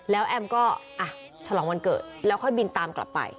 แล้วแอมก็ฉลองวันเกิดแล้วค่อยบินตามกลับไป